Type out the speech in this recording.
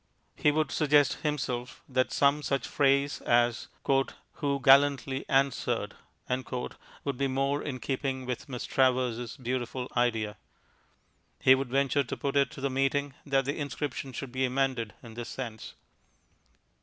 He would suggest himself that some such phrase as "who gallantly answered" would be more in keeping with Miss Travers' beautiful idea. He would venture to put it to the meeting that the inscription should be amended in this sense.